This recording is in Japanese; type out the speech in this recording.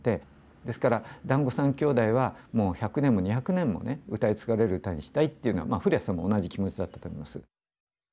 ですから「だんご３兄弟」はもう１００年も２００年もね歌い継がれる歌にしたいっていうのは古屋さんも同じ気持ちだったと思います。